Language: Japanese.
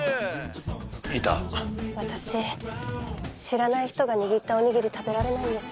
私知らない人が握ったおにぎり食べられないんです。